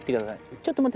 ちょっと待って！